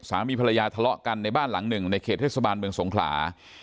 สามีภรรยาทะเลาะกันในบ้านหลังหนึ่งในเขตเทศบาลเมืองสงขลา